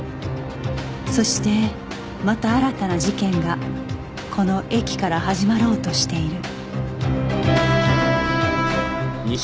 そしてまた新たな事件がこの駅から始まろうとしている